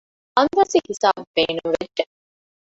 އަންދާސީ ހިސަބު ބޭނުންވެއްޖެ